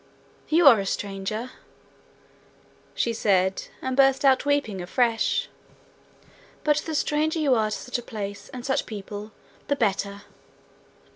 You are a stranger,' she said, and burst out weeping afresh, 'but the stranger you are to such a place and such people the better!'